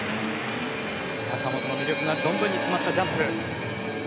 坂本の魅力が存分に詰まったジャンプ。